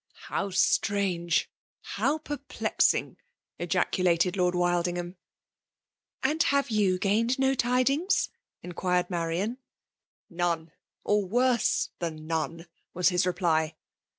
" How strange ! ^how perplexing !'* qa ' culated Lord Wildingham. . ''And hare fou gained no tadrngs?*' in*^ qnired Marian. ." None, or worse than none T was his re^ ply.